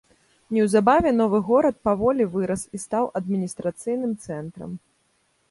Неўзабаве новы горад паволі вырас і стаў адміністрацыйным цэнтрам.